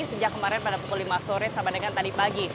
sejak kemarin pada pukul lima sore sampai dengan tadi pagi